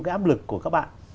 cái áp lực của các bạn